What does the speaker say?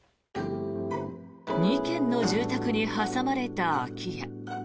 ２軒の住宅に挟まれた空き家。